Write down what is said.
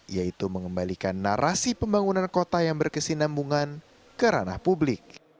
yaitu mengembalikan narasi pembangunan kota yang berkesinambungan ke ranah publik